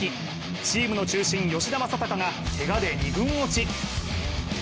チームの中心、吉田正尚がけがで２軍落ち。